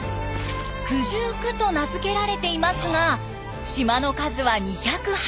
「九十九」と名付けられていますが島の数は２０８。